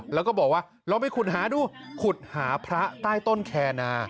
แล้วก็บอกว่าลองไปขุดหาดูขุดหาพระใต้ต้นแคนา